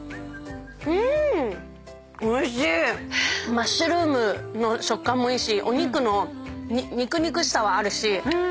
マッシュルームの食感もいいしお肉の肉々しさはあるし。